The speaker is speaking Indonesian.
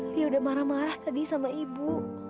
dia sudah marah marah tadi dengan ibu